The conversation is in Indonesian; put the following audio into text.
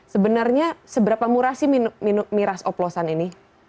sebenarnya seberapa murah sih miras oplosan ini